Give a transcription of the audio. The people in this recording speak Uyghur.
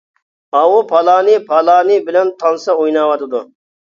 -ئاۋۇ پالانى پالانى بىلەن تانسا ئويناۋاتىدۇ.